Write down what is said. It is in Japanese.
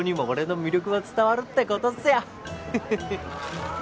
俺の魅力は伝わるってことっすよ